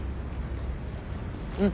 うん。